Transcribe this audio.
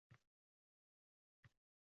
«Meni Farg’onaga, Vodilga olib ketinglar